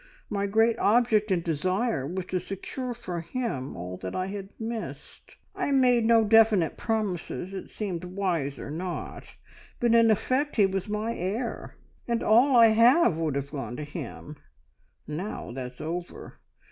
My great object and desire was to secure for him all that I had missed. I had made no definite promises, it seemed wiser not, but in effect he was my heir, and all I have would have gone to him. Now that's over!